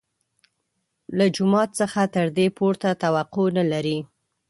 له جومات څخه تر دې پورته توقع نه لري.